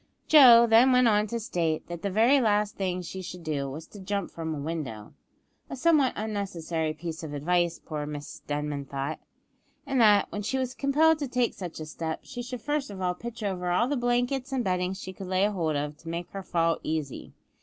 Joe then went on to state, that the very last thing she should do was to jump from a window (a somewhat unnecessary piece of advice, poor Miss Denman thought), and that, when she was compelled to take such a step, she should first of all pitch over all the blankets and bedding she could lay hold of to make her fall easy.